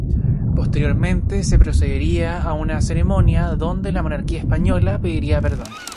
Posteriormente se procedería a una ceremonia donde la Monarquía Española pediría perdón.